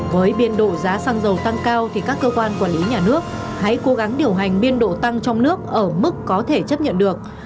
với biên độ giá xăng dầu tăng cao thì các cơ quan quản lý nhà nước hãy cố gắng điều hành biên độ tăng trong nước ở mức có thể chấp nhận được